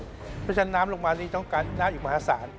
เพราะฉะนั้นน้ำลงมานี่ต้องการน้ำอยู่มหาศาล